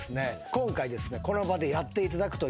今回この場でやっていただくということで。